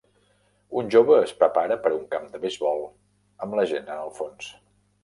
Un jove es prepara per a un camp de beisbol amb la gent en el fons